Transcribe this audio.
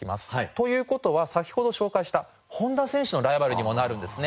という事は先ほど紹介した本多選手のライバルにもなるんですね。